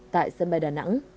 tại sân bay đà nẵng